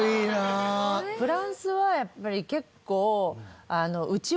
フランスはやっぱり結構。